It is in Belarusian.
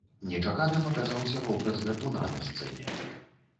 Нечаканым аказаўся вобраз гарбуна на сцэне.